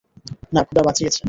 না, খোদা বাঁচিয়েছে।